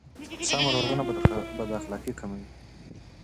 سمه روزنه بد اخلاقي کموي.